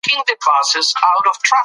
مسواک وهل په سنتو کې شامل دي.